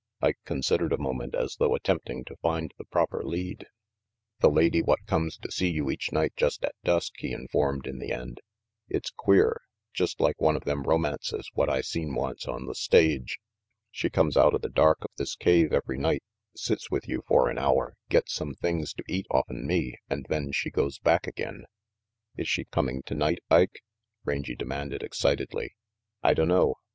Ike considered a moment, as though attempting tqjind the proper lead. RANGY PETE 403 "The lady what comes to see you each night just at dusk/' he informed in the end. "It's queer. Just like one of them romances what I seen once on the stage. She comes outa the dark of this cave every night, sits with you for an hour, gets some things to eat off en me, and then she goes back again " "Is she coming tonight, Ike?" Rangy demanded excitedly. , V "I dunno.